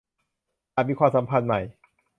อาจมีความสัมพันธ์ใหม่